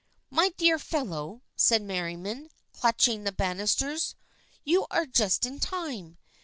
" My dear fellow," said Merriam, clutching the bannisters, "you are just in time!